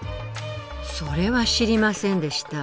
それは知りませんでした。